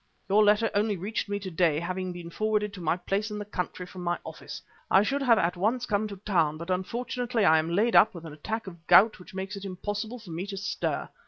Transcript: Your letter only reached me to day having been forwarded to my place in the country from my office. I should have at once come to town, but unfortunately I am laid up with an attack of gout which makes it impossible for me to stir.